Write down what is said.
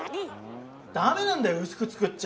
ダメなんだよ薄く作っちゃ。